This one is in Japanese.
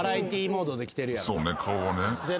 そうね顔はね。